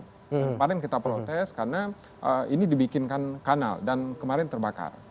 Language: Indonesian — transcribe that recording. kemarin kita protes karena ini dibikinkan kanal dan kemarin terbakar